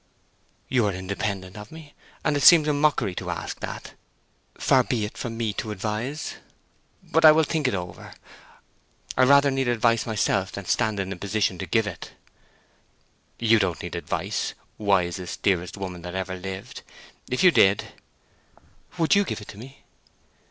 "You are independent of me, and it seems a mockery to ask that. Far be it from me to advise. But I will think it over. I rather need advice myself than stand in a position to give it." "You don't need advice, wisest, dearest woman that ever lived. If you did—" "Would you give it to me?"